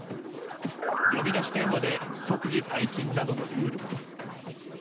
呼び出し電話で即時退勤などのルールも。